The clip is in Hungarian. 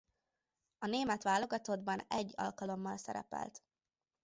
A német válogatottban egy alkalommal szerepelt.